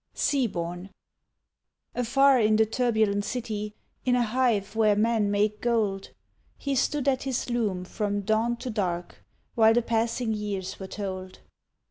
SEA BORN Afar in the turbulent city, In a hive where men make gold, He stood at his loom from dawn to dark, While the passing years were told.